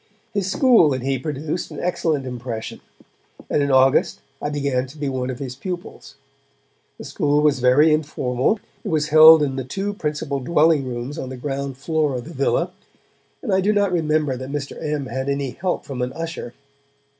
His school and he produced an excellent impression, and in August I began to be one of his pupils. The school was very informal; it was held in the two principal dwelling rooms on the ground floor of the villa, and I do not remember that Mr. M. had any help from an usher.